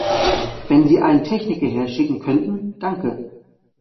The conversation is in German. Wenn Sie einen Techniker herschicken könnten, danke.